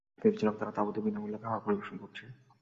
ভেবেছিলাম তারা তাঁবুতে বিনামূল্যে খাবার পরিবেশন করছে।